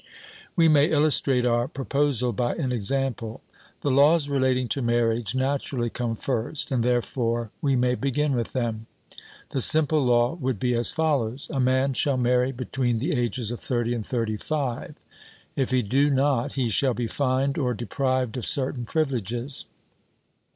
We may illustrate our proposal by an example. The laws relating to marriage naturally come first, and therefore we may begin with them. The simple law would be as follows: A man shall marry between the ages of thirty and thirty five; if he do not, he shall be fined or deprived of certain privileges.